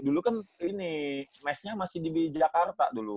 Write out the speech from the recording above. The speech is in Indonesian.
dulu kan ini mesnya masih di jakarta dulu